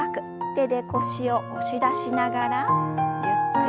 手で腰を押し出しながらゆっくりと後ろ。